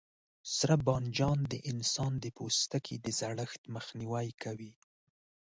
سره بانجان د انسان د پوستکي د زړښت مخنیوی کوي.